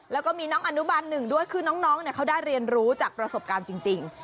แล้วก็มีน้องอนุบันหนึ่งด้วยคือน้องเขาได้เรียนรู้จากประสบการณ์จริง